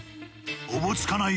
おぼつかない